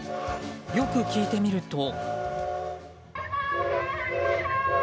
よく聞いてみると。